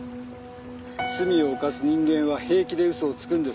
罪を犯す人間は平気で嘘をつくんです。